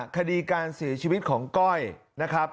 คดีการเสียชีวิตของก้อยนะครับ